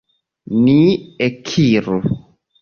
Ni ekiru!